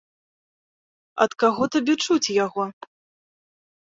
Ад каго табе чуць яго?